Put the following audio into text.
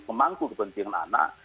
kemangku kepentingan anak